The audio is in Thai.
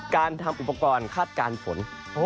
การทำอุปกรณ์คาดการณ์ฝน